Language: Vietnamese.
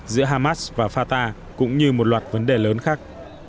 giữa hamas và fata cũng như một loạt vấn đề lớn khác